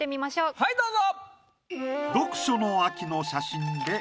はいどうぞ。